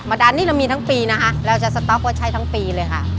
ดันนี่เรามีทั้งปีนะคะเราจะสต๊อกไว้ใช้ทั้งปีเลยค่ะ